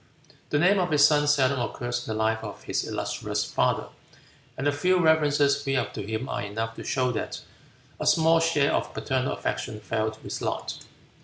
The name of this son seldom occurs in the life of his illustrious father, and the few references we have to him are enough to show that a small share of paternal affection fell to his lot.